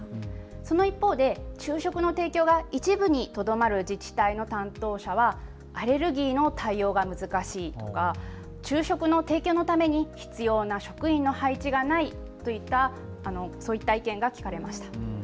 その一方で昼食の提供が一部にとどまる自治体の担当者はアレルギーの対応が難しいとか昼食の提供のために必要な職員の配置がないといったそういった意見が聞かれました。